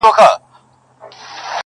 موږ په دې ساحل کي آزمېیلي توپانونه دي؛